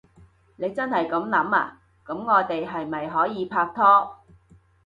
你真係噉諗？噉我哋係咪可以拍拖？